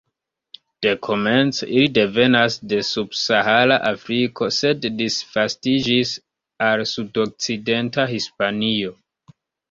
Dekomence ili devenas de subsahara Afriko, sed disvastiĝis al sudokcidenta Hispanio.